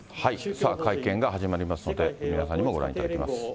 さあ、会見が始まりますので、皆さんにもご覧いただきます。